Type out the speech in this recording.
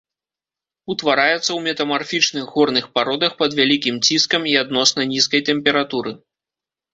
Утвараецца ў метамарфічных горных пародах пад вялікім ціскам і адносна нізкай тэмпературы.